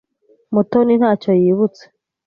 Mutoni ntacyo yibutse.